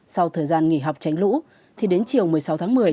sau thời gian nghỉ học tránh lũ thì đến chiều một mươi sáu tháng một mươi